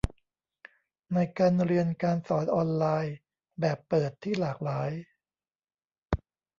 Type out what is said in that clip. ในการเรียนการสอนออนไลน์แบบเปิดที่หลากหลาย